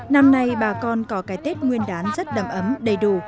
năm nay bà con có cái tết nguyên đán rất đầm ấm đầy đủ